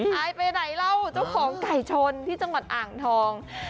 หายไปไหนเล่าเจ้าของไก่ชนที่จังหวัดอ่างทอง